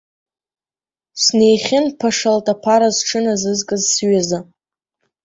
Снеихьынԥашалт аԥара зҽыназызкыз сҩыза.